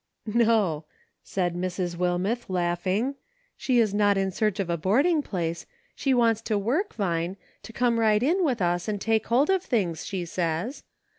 " "No," said Mrs. Wilmeth, laughing, "she is not in search of a boarding place ; she wants to work. Vine, to come right in with us and 'take hold of things,' she says.